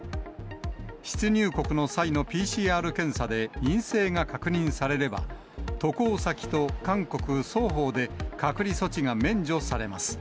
出入国の際のＰＣＲ検査で陰性が確認されれば、渡航先と韓国双方で、隔離措置が免除されます。